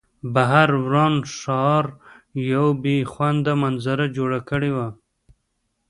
بهر وران ښار یوه بې خونده منظره جوړه کړې وه